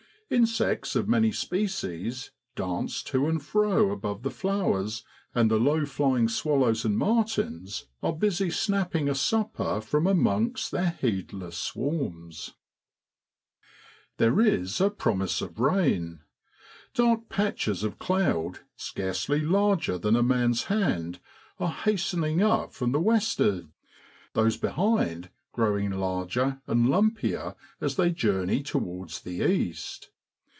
Insects of many species dance to and fro above the flowers, and the low flying swallows and martins are busy snapping a supper from amongst their heedless swarms. There is a promise of rain. Dark patches of cloud, scarcely larger than a man's hand, are hastening up from the west'ard, those behind growing larger and lumpier as they journey towards the east.